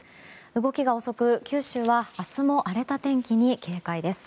動きが遅く九州は明日も荒れた天気に警戒です。